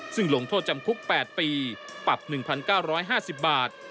ซึ่งลงโทษจำคุก๘ปีปรับ๑๙๕๐บาท